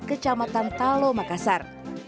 kecamatan talo makassar